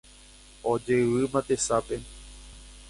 Ojevýma tesape